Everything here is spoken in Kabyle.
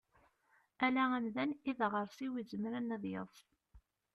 Ala amdan i daɣersiw izemren ad yeḍs.